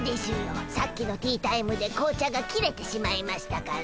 さっきのティータイムで紅茶が切れてしまいましたから。